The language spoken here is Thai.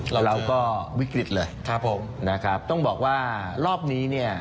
เราก็วิกฤตเลยครับผมนะครับต้องบอกว่ารอบนี้เนี่ย